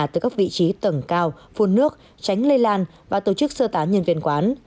từ các vị trí tầng cao phun nước tránh lây lan và tổ chức sơ tán nhân viên quán